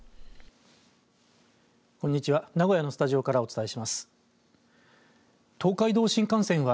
こんにちは。